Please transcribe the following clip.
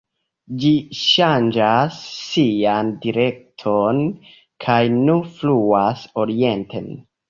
Ĝi ŝanĝas sian direkton kaj nu fluas orienten.